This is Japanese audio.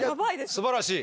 すばらしい。